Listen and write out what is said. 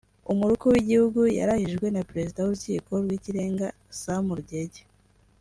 Umuruku w’Igihugu yarahijwe na Perezida w’urukiko rw’ikirenga Samu Rugege